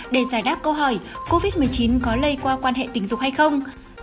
để giải đáp câu hỏi covid một mươi chín có lây qua quan hệ tình dục hay không